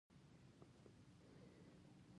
آیا او یوځای پاتې نشي؟